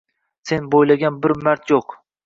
Sen boʻylagan bir mard yoʻq.